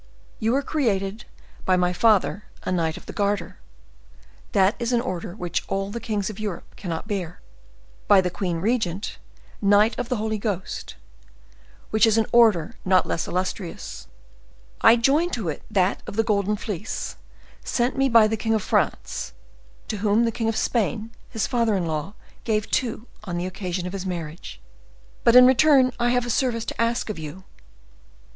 You were created by my father a Knight of the Garter—that is an order which all the kings of Europe cannot bear; by the queen regent, Knight of the Holy Ghost—which is an order not less illustrious; I join to it that of the Golden Fleece sent me by the king of France, to whom the king of Spain, his father in law, gave two on the occasion of his marriage; but in return, I have a service to ask of you."